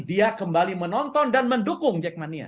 dia kembali menonton dan mendukung jack mania